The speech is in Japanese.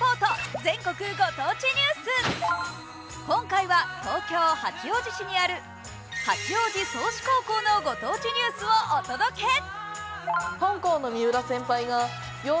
今回は東京・八王子市にある八王子桑志高校のご当地ニュースをお届け。